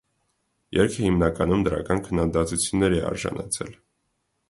Երգը հիմնականում դրական քննադատությունների է արժանացել։